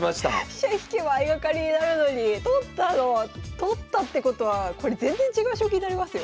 飛車引けば相掛かりになるのに取ったの⁉取ったってことはこれ全然違う将棋になりますよ。